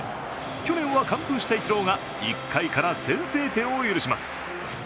去年は完封したイチローが１回から先制点を許します。